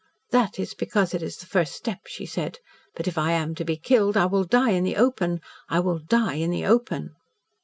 "That is because it is the first step," she said. "But if I am to be killed, I will die in the open I will die in the open."